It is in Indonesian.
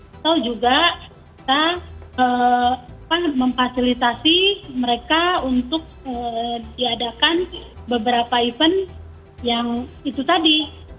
atau juga kita memfasilitasi mereka untuk diadakan beberapa event yang itu tadi